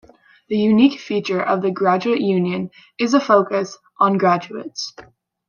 The unique feature of the Graduate Union is a focus on graduates.